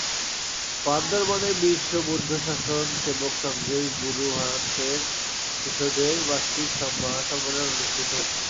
বান্দরবানে বিশ্ব বুদ্ধ শাসন সেবক সংঘের গুরু ভান্তের শিষ্যদের বার্ষিক মহাসম্মেলন অনুষ্ঠিত হয়েছে।